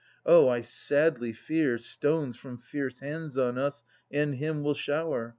Oh, I sadly fear Stones from fierce hands on us and him will shower.